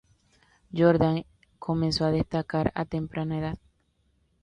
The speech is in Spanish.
Jordan comenzó a destacar a temprana edad.